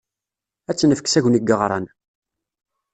Ad tt-nefk s Agni Ggeɣran.